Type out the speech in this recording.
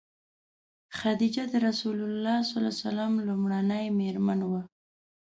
خدیجه د رسول الله ﷺ لومړنۍ مېرمن وه.